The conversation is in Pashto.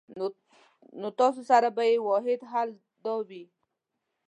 نو ستاسو سره به ئې واحد حل دا وي